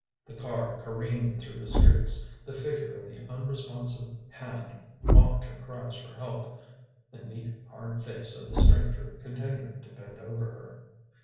The car careened through the streets, the figure of the unresponsive Hand mocked her cries for help, the neat hard face of the stranger continued to bend over her.